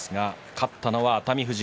勝ったのは熱海富士。